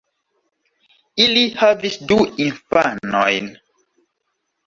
Ili havis du infanojn.